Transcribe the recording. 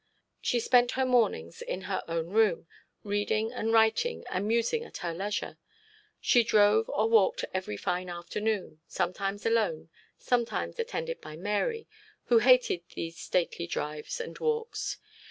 She spent her mornings in her own room, reading and writing and musing at her leisure; she drove or walked every fine afternoon, sometimes alone, sometimes attended by Mary, who hated these stately drives and walks.